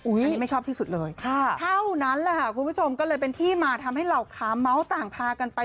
อันนี้ไม่ชอบที่สุดเลยเท่านั้นแหละค่ะคุณผู้ชมก็เลยเป็นที่มาทำให้เหล่าขาเมาส์ต่างพากันไป